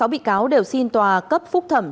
sáu bị cáo đều xin tòa cấp phúc thẩm